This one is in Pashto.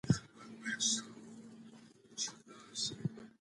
زده کوونکي د تلپاتې علم لپاره په خلاقیت کې لګښته لري.